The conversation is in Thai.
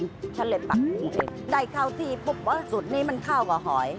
เพราะฉันเลยต่างคู่เองได้เข้าที่ปุ๊บว่าสุดนี้มันเข้ากับหอย